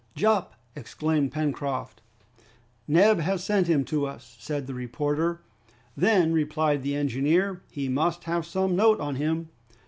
"Jup!" exclaimed Pencroft. "Neb has sent him to us," said the reporter. "Then," replied the engineer, "he must have some note on him."